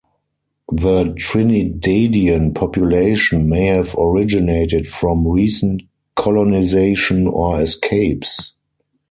The Trinidadian population may have originated from recent colonisation or escapes.